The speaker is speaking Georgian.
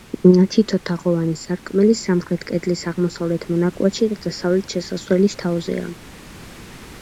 თითო თაღოვანი სარკმელი სამხრეთ კედლის აღმოსავლეთ მონაკვეთში და დასავლეთ შესასვლელის თავზეა.